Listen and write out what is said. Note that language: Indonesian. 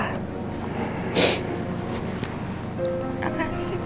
terima kasih papa